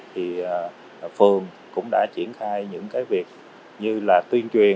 đảng quỹ phường cũng đã triển khai những việc như tuyên truyền